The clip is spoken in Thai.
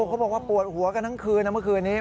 เขาบอกว่าปวดหัวกันทั้งคืนนะเมื่อคืนนี้